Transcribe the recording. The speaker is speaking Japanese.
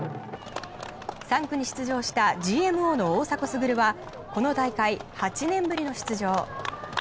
３区に出場したＧＭＯの大迫傑はこの大会、８年ぶりの出場。